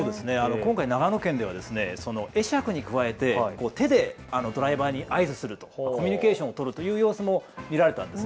今回、長野県では会釈に加えて手でドライバーに合図するというコミュニケーションを取るという様子も見られたんです。